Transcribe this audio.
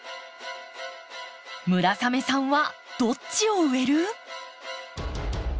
村雨さんはどっちを植える？